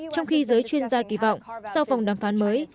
trong khi giới chuyên gia kỳ vọng sau vòng đàm phán mới